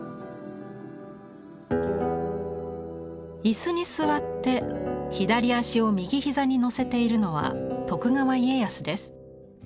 椅子に座って左足を右膝にのせているのは徳川家康です。